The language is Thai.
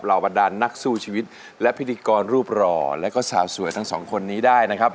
บรรดานนักสู้ชีวิตและพิธีกรรูปหล่อแล้วก็สาวสวยทั้งสองคนนี้ได้นะครับ